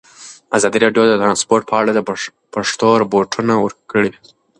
ازادي راډیو د ترانسپورټ په اړه د پېښو رپوټونه ورکړي.